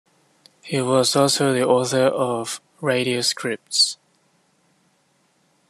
He was also the author of radio scripts.